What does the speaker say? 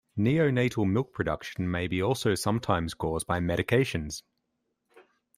Neonatal milk production may be also sometimes caused by medications.